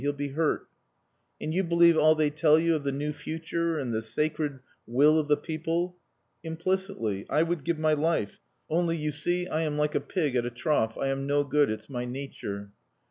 He'll be hurt." "And you believe all they tell you of the new future and the sacred will of the people?" "Implicitly. I would give my life.... Only, you see, I am like a pig at a trough. I am no good. It's my nature."